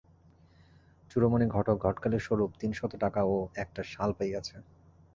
চুড়োমণি ঘটক ঘটকালির স্বরূপ তিন শত টাকা ও একটা শাল পাইয়াছে।